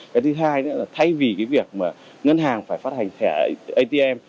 cái thứ hai nữa là thay vì cái việc mà ngân hàng phải phát hành thẻ atm